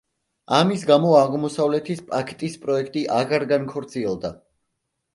ამის გამო „აღმოსავლეთის პაქტის“ პროექტი აღარ განხორციელდა.